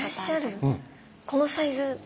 このサイズ？